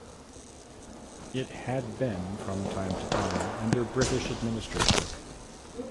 It had been from time to time under British administration.